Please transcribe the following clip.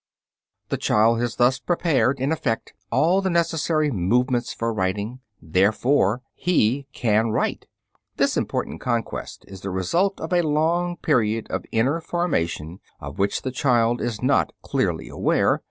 The child has thus prepared, in effect, all the necessary movements for writing; therefore he can write. This important conquest is the result of a long period of inner formation of which the child is not clearly aware.